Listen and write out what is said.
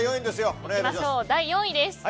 第４位です。